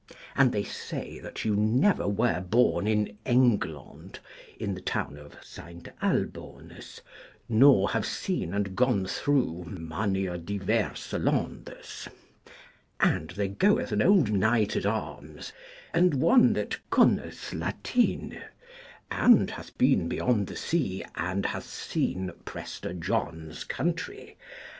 And they say that you never were born in Englond, in the town of Seynt Albones, nor have seen and gone through manye diverse Londes. And there goeth an old knight at arms, and one that connes Latyn, and hath been beyond the sea, and hath seen Prester John's country.